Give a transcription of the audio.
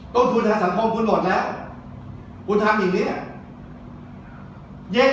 ต้องทุนทางสังคมปลอดภัยแล้วทำอย่างเงี้ย